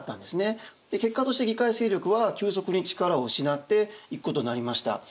結果として議会勢力は急速に力を失っていくことになりました。